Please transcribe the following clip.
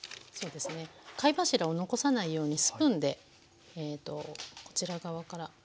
そうですね貝柱を残さないようにスプーンでこちら側から。